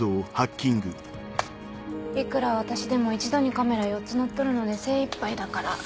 いくら私でも一度にカメラ４つ乗っ取るので精いっぱいだから。